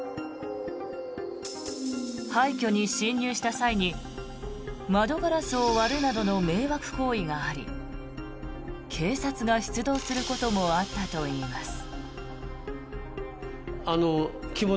廃虚に侵入した際に窓ガラスを割るなどの迷惑行為があり警察が出動することもあったといいます。